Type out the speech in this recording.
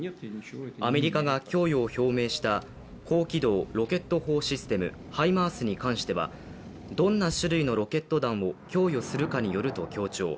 アメリカが供与を表明した高機動ロケット砲システムＨＩＭＡＲＳに関してはどんな種類のロケット弾を供与するかによると強調。